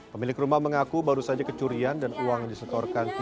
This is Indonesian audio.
pemilik rumah mengaku baru saja kecurian dan uang yang disetorkan